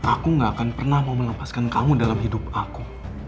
aku gak akan pernah mau melepaskan kamu dalam hidup aku